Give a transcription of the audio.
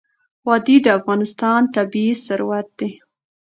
وادي د افغانستان طبعي ثروت دی.